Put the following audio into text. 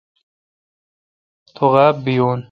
تو غاب بیون۔